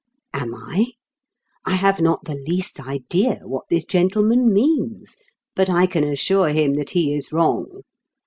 Am I? I have not the least idea what this gentleman means, but I can assure him that he is wrong.